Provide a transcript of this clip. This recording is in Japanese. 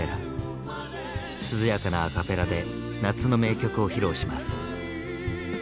涼やかなアカペラで夏の名曲を披露します。